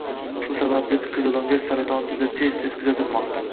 Shu sababli qiziloʻngach saratoni juda tez-tez kuzatilmoqda.